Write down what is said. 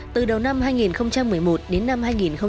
từ đầu năm hai nghìn một mươi một đến năm hai nghìn một mươi chín